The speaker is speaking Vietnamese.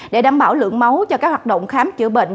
để đảm bảo lượng máu cho các hoạt động khám chữa bệnh